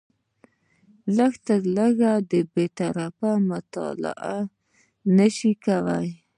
یا لږ تر لږه بې طرفه مطالعه نه شي کولای